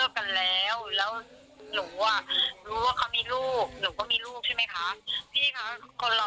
คือหนูก็รู้ว่าเขาอยากกันแล้วอะไรอย่างนี้แล้วมันผิดมากเหรอคะ